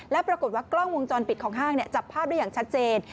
และปรากฏว่ากล้องวงจรปิดของห้างจับภาพได้อย่างชัดเจน